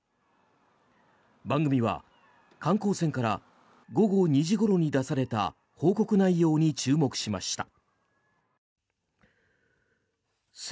番組は観光船から午後２時ごろに出された報告内容に注目しました。